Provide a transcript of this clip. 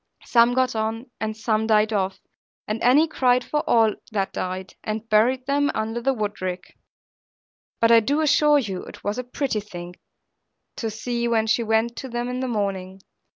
Some got on, and some died off; and Annie cried for all that died, and buried them under the woodrick; but, I do assure you, it was a pretty thing to see, when she went to them in the morning.